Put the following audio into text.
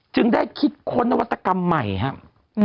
จึงได้คิดค้นนวัตกรรมใหม่ครับ